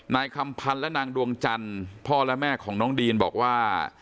นายคำพันธ์และนางดวงจันทร์พ่อและแม่ของน้องดีนบอกว่า